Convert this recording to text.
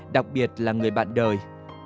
đặc biệt là người bạn đời